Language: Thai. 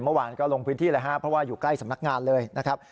เมื่อวานก็ลงพื้นที่แล้วฮะเพราะว่าอยู่ใกล้สำนักงานเลยนะครับ